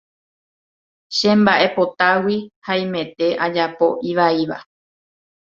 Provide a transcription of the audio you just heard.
chemba'epotágui haimete ajapo ivaíva